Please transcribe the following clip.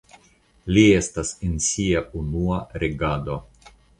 Li estas en sia unua regado.